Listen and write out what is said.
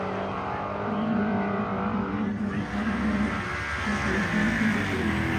三是城镇商圈已经成为发展亮点和核心增长极。